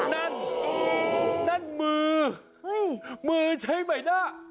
นั่นมือใช่ไหมเนี่ย